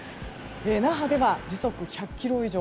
那覇では時速１００キロ以上。